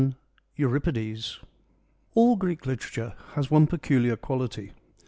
— Euripides All Greek literature has one peculiar quality.